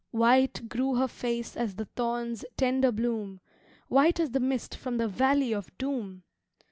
White grew her face as the thorn's tender bloom, White as the mist from the valley of doom!